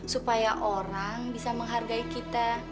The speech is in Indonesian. supaya orang bisa menghargai kita